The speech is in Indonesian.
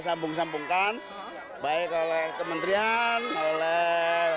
sambung sambungkan baik oleh kementerian oleh